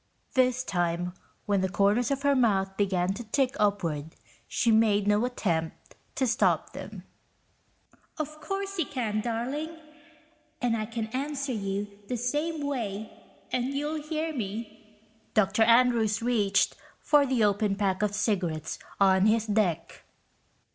This time when the corners of her mouth began to tick upward, she made no attempt to stop them. (Of course you can, darling. And I can answer you the same way, and you'll hear me.) Dr. Andrews reached for the open pack of cigarettes on his deck.